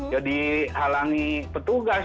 jadi halangi petugas